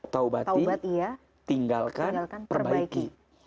taubati tinggalkan perbaiki